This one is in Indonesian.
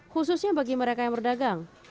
khususnya bagi mereka yang berdagang